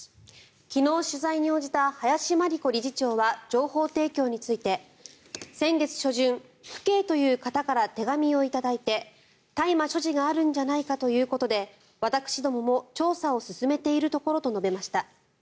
昨日、取材に応じた林真理子理事長は情報提供について先月初旬、父兄という方から手紙を頂いて大麻所持があるんじゃないかということで私どもも調査を進めているところと述べました。